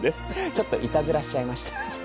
ちょっといたずらしちゃいました。